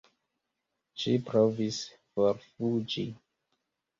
Ŝi provis forfuĝi.